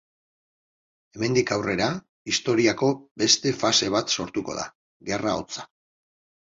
Hemendik aurrera, historiako beste fase bat sortuko da: Gerra Hotza.